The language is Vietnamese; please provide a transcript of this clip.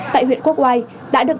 tại huyện quốc oai đã được